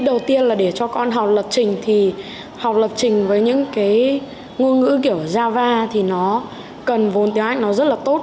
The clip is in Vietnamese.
đầu tiên là để cho con học lập trình thì học lập trình với những cái ngôn ngữ kiểu java thì nó cần vốn tiếng anh nó rất là tốt